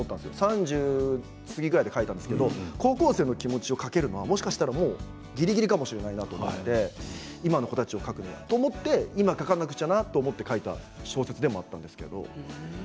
３０過ぎぐらいで書いたんですけど高校生の気持ちを書けるのはもしかしたらぎりぎりかもしれないと今の子たちを書くのはと思って今書かなくちゃなと思って書いた小説でもあったんです。